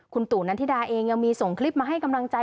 คุณตู่นันทิดาเองยังมีส่งคลิปมาให้กำลังใจ